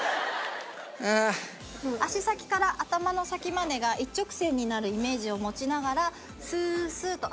足先から頭の先までが一直線になるイメージを持ちながらスースーッと。